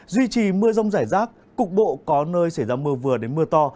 duy trì mưa rông rải rác cục bộ có nơi xảy ra mưa vừa đến mưa to